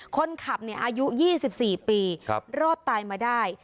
คนขับอายุ๒๔ปีรอดตายมาได้